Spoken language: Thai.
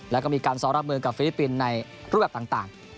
แล้วก็มีการซ้อมรับมือกับฟิลิปปินส์ในรูปแบบต่าง